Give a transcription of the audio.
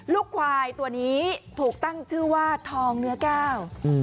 ลูกควายตัวนี้ถูกตั้งชื่อว่าทองเนื้อแก้ว